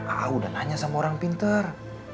a'a udah nanya sama orang pinter